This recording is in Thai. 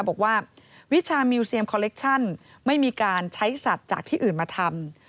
บอกว่าวิชามิวเซียมคอเล็กชั่นไม่มีการใช้สัตว์จากที่อื่นมาทำ